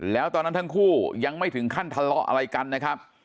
แล้วตอนนั้นทั้งคู่ยังไม่ถึงขั้นทะเลาะอะไรกันนะครับ